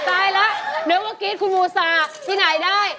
ตายแล้วเดี๋ยวว่ากิ๊ดคุณมูสาที่ไหนได้